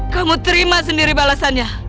kamu terima sendiri balasannya